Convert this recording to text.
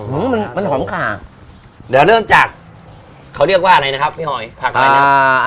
มันจะหอมกล่าเดี๋ยวเริ่มจากเขาเรียกว่าอะไรนะครับพี่หอยผักอะไรนะ